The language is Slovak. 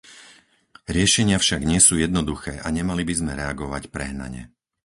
Riešenia však nie sú jednoduché a nemali by sme reagovať prehnane.